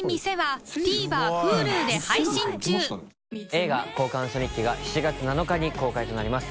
映画「交換ウソ日記」が７月７日に公開となります。